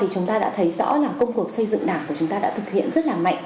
chúng ta đã thấy rõ là công cuộc xây dựng đảng của chúng ta đã thực hiện rất là mạnh